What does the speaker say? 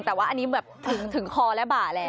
แต่ว่าอันนี้แบบถึงคอและบ่าแล้ว